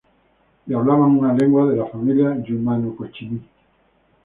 Y hablaban una lengua de la familia yumano-cochimí.